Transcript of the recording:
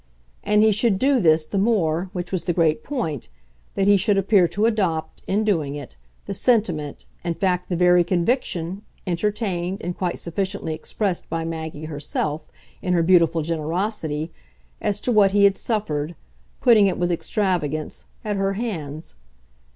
And he should do this the more, which was the great point, that he should appear to adopt, in doing it, the sentiment, in fact the very conviction, entertained, and quite sufficiently expressed, by Maggie herself, in her beautiful generosity, as to what he had suffered putting it with extravagance at her hands.